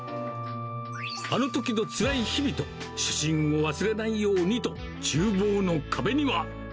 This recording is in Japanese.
あのときのつらい日々と初心を忘れないようにと、ちゅう房の壁には。